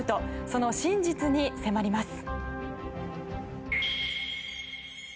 その真実に迫ります。